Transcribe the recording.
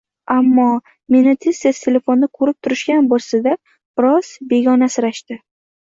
Ammo, meni tez-tez telefonda ko`rib turishgan bo`lsada, biroz begonasirashdi